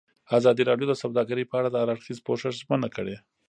ازادي راډیو د سوداګري په اړه د هر اړخیز پوښښ ژمنه کړې.